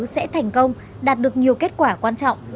sẽ thành công đạt được nhiều kết quả quan trọng